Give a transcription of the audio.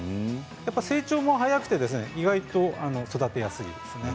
成長も早くて意外と育てやすいです。